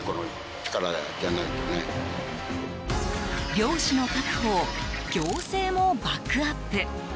漁師の確保を行政もバックアップ。